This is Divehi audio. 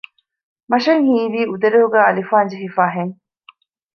މަށަށް ހީވީ އުދަރެހުގައި އަލިފާން ޖެހިފައި ހެން